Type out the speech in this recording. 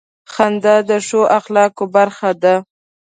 • خندا د ښو اخلاقو برخه ده.